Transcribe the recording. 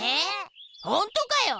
ほんとかよ！